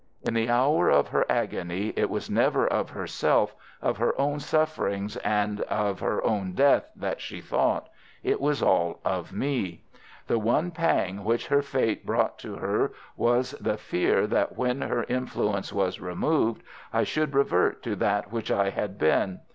In the hour of her agony it was never of herself, of her own sufferings and her own death that she thought. It was all of me. The one pang which her fate brought to her was the fear that when her influence was removed I should revert to that which I had been.